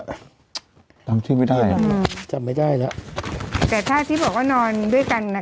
จำชื่อไม่ได้อืมจำไม่ได้แล้วแต่ถ้าที่บอกว่านอนด้วยกันนะคะ